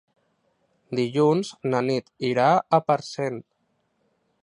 Dilluns na Nit irà a Parcent.